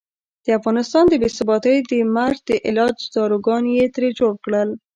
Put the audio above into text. د افغانستان د بې ثباتۍ د مرض د علاج داروګان یې ترې جوړ کړل.